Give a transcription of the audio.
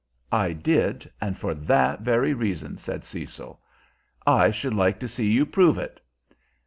"I did, and for that very reason," said Cecil. "I should like to see you prove it!"